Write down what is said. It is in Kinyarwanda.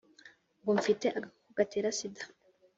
ngo mfite agakoko gatera sida